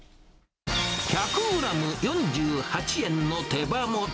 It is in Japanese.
１００グラム４８円の手羽元。